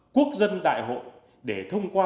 quốc dân đại hội để thông qua